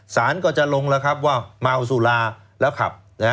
สารก็จะลงแล้วครับว่าเมาสุราแล้วขับ